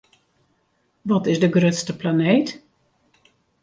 Wat is de grutste planeet?